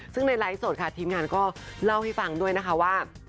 ซึ่งในไลฟ์สดค่ะทีมงานก็เล่าให้ฟังด้วยนะคะว่า